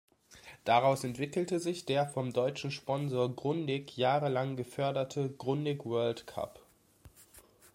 Daraus entwickelte sich der vom deutschen Sponsor Grundig jahrelang geförderte Grundig World Cup.